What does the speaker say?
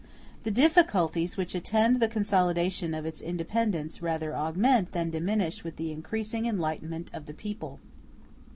The difficulties which attend the consolidation of its independence rather augment than diminish with the increasing enlightenment of the people.